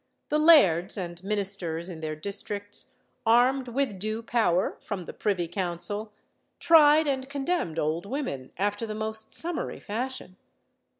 The lairds and ministers in their districts, armed with due power from the privy council, tried and condemned old women after the most summary fashion.